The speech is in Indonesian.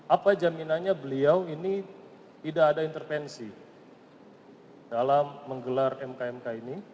apa jaminannya beliau ini tidak ada intervensi dalam menggelar mk mk ini